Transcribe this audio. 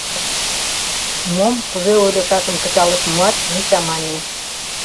— Мом, кузе ойлышашым кычал ыш муат, Миша мане.